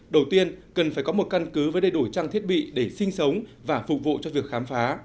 đầu tiên cần phải có một căn cứ với đầy đủ trang thiết bị để sinh sống và phục vụ cho việc khám phá